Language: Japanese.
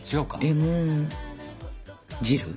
レモン汁？